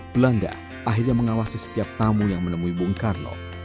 belanda akhirnya mengawasi setiap tamu yang menemui bung karno